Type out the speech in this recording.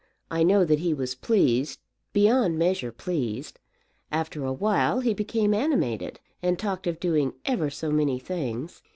I know that he was pleased, beyond measure pleased. After a while he became animated, and talked of doing ever so many things.